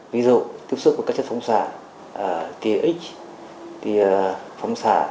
ví dụ tiếp xúc với các chất phóng xả tx tx phóng xả